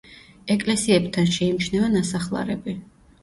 ეკლესიებთან შეიმჩნევა ნასახლარები.